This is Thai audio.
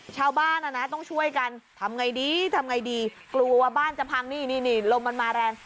ชาวบ้านต้องช่วยกันทำไงดีทำไงดีกลัวบ้านจะพังนี่นี่ลมมันมาแรง